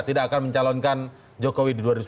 tidak akan mencalonkan jokowi di dua ribu sembilan belas